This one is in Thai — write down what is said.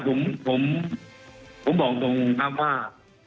ผมบอกตรงความว่า